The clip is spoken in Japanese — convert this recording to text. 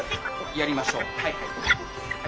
やりましょう。